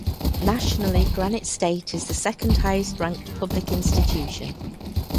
Nationally, Granite State is the second-highest ranked public institution.